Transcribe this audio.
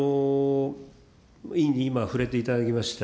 委員に今触れていただきました